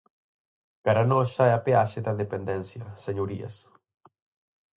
Cara nos sae a peaxe da dependencia, señorías.